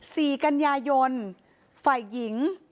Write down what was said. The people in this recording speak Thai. สี่กันยายนฝ่ายหญิง